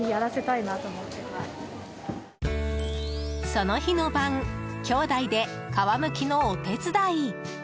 その日の晩兄弟で皮むきのお手伝い。